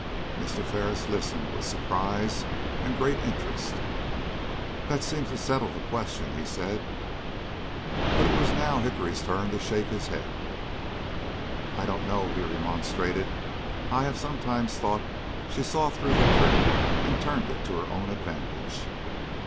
Mr. Ferris listened with surprise and great interest. "That seems to settle the question," he said. But it was now Hickory's turn to shake his head. "I don't know," he remonstrated. "I have sometimes thought she saw through the trick and turned it to her own advantage."